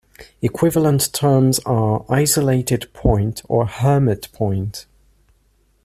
Equivalent terms are "isolated point or hermit point".